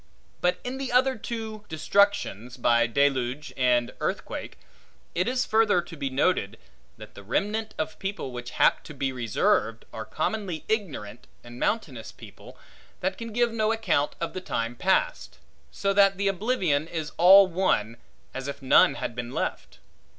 But in the other two destructions, by deluge and earthquake, it is further to be noted, that the remnant of people which hap to be reserved, are commonly ignorant and mountainous people, that can give no account of the time past; so that the oblivion is all one, as if none had been left.